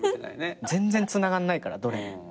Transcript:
全然つながんないからどれも。